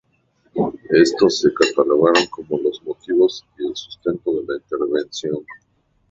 Estos se catalogaron como los motivos y el sustento de la intervención.